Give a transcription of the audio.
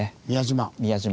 宮島。